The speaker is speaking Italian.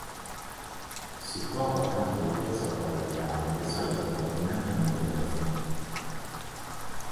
Si trova accanto alla chiesa parrocchiale, e risale probabilmente al Medioevo.